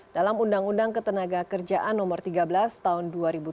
dalam undang undang ketenagakerjaan no tiga belas tahun dua ribu tiga